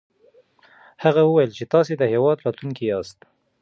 هغه وويل چې تاسې د هېواد راتلونکی ياست.